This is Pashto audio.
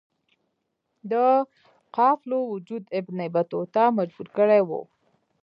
د قافلو وجود ابن بطوطه مجبور کړی وی.